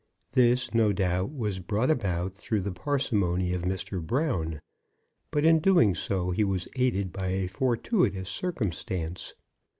This, no doubt, was brought about through the parsimony of Mr. Brown, but in doing so he was aided by a fortuitous circumstance.